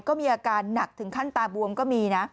ก็มีอาการหนักถึงขั้นตาบวมก็มีนะ